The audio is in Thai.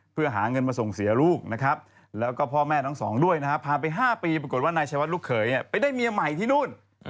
เพื่อหาเงินมาส่งเสียลูกนะครับแล้วก็พ่อแม่ทั้งสองด้วยนะฮะพาไป๕ปีปรากฏว่านายชายวัดลูกเขยไปได้เมียใหม่ที่นู่น